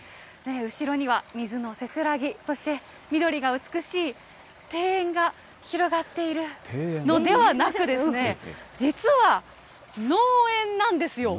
後ろには水のせせらぎ、そして緑が美しい庭園が広がっているのではなく、実は、農園なんですよ。